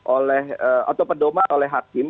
oleh atau pedoman oleh hakim